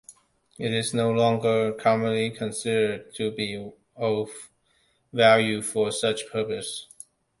It is no longer commonly considered to be of value for such purposes.